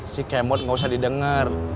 si kemot nggak usah didengar